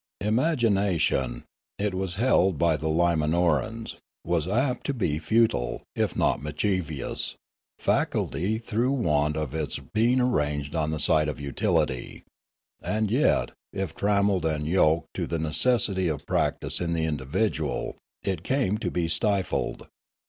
Imagina Fialume 79 tiou, it was held by the Limanorans, was apt to be a futile, if not mischievous, faculty through want of its being ranged on the side of utility; and yet, if tram melled and yoked to the necessity of practice in the individual, it came to be stifled.